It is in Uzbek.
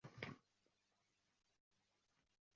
Sizni uzoq kuttirib qo'ymadim degan umiddaman.